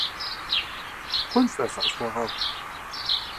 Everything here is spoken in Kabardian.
Хъунщ, тӀасэ, къысхуэгъэгъу.